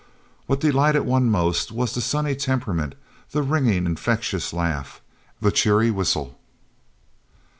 What delighted one most was the sunny temperament, the ringing, infectious laugh, the cheery whistle.